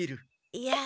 いや。